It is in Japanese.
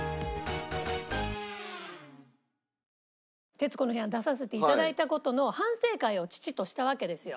『徹子の部屋』に出させて頂いた事の反省会を父としたわけですよ。